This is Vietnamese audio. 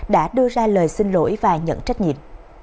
đã đưa ra lời xin lỗi và nhận trách nhiệm